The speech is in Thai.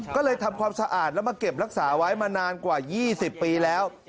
ก็เลยทำความสะอาดแล้วมาเก็บรักษาไว้มานานกว่า๒๐ปีแล้ว